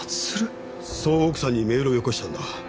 そう奥さんにメールをよこしたんだ。